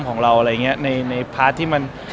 ของเราอะไรอย่างนี้ในพาร์ทที่มัน